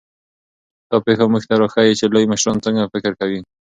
دا پېښه موږ ته راښيي چې لوی مشران څنګه فکر کوي.